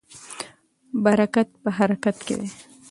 برکت په حرکت کې دی.